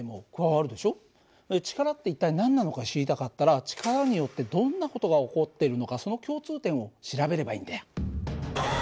力って一体何なのか知りたかったら力によってどんな事が起こっているのかその共通点を調べればいいんだよ。